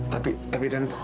tapi tapi tante